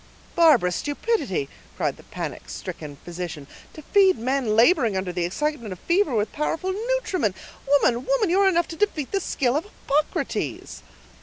"Barbarous stupidity!" cried the panic stricken physician, "to feed men laboring under the excitement of fever with powerful nutriment. Woman, woman, you are enough to defeat the skill of Hippocrates!"